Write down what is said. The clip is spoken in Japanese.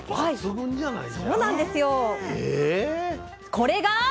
これが。